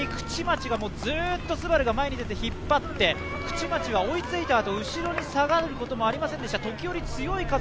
この２人、口町、ＳＵＢＡＲＵがずっと前に出て引っ張って口町は追いついたあと、後ろに下がることもありませんでした。